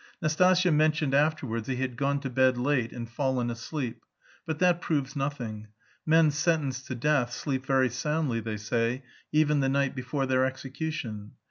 Nastasya mentioned afterwards that he had gone to bed late and fallen asleep. But that proves nothing; men sentenced to death sleep very soundly, they say, even the night before their execution.